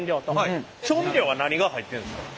調味料は何が入っているんですか？